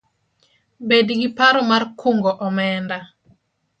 Bed gi paro mar kungo omenda